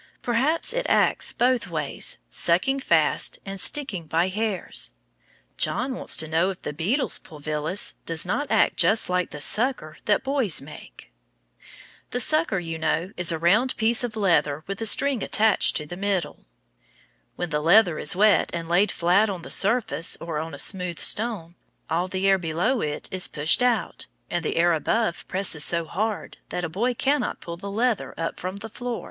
Perhaps it acts both ways, sucking fast and sticking by hairs. John wants to know if the beetle's pulvillus does not act just like the "sucker" that boys make. The sucker, you know, is a round piece of leather with a string attached to the middle. When the leather is wet and laid flat on the floor or on a smooth stone, all the air below it is pushed out, and the air above presses so hard that a boy cannot pull the leather up from the floor.